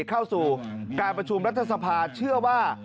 เข้าสู่การประชุมรัฐสภาเชื่อว่า